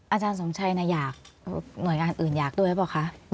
อาจารย์สมชัยอยากหน่วยงานอื่นอยากด้วยหรือเปล่าคะ